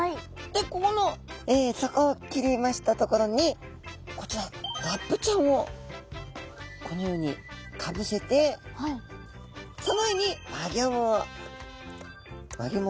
でここの底を切りました所にこちらラップちゃんをこのようにかぶせてその上に輪ギョムを輪ギョムをこう。